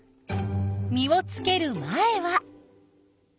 実をつける前は。